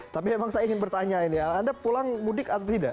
tapi memang saya ingin bertanya ini anda pulang mudik atau tidak